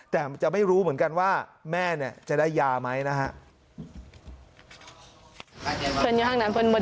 แต่มันจะไม่รู้เหมือนกันว่าแม่จะได้ยาไหมนะครับ